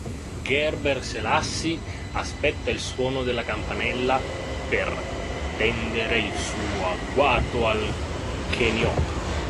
Gebrselassie aspetta il suono della campanella per tendere il suo agguato al keniota.